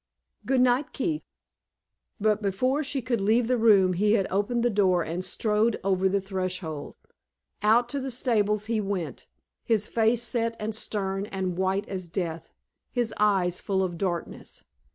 Good night, Keith." But before she could leave the room he had opened the door and strode over the threshold. Out to the stables he went, his face set and stern and white as death, his eyes full of darkness.